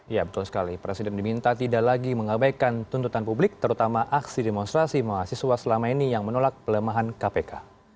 ya betul sekali presiden diminta tidak lagi mengabaikan tuntutan publik terutama aksi demonstrasi mahasiswa selama ini yang menolak pelemahan kpk